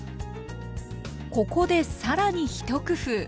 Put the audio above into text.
ここで更に一工夫。